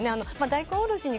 大根おろしに